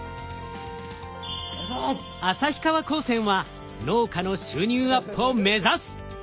旭川高専は農家の収入アップを目指す！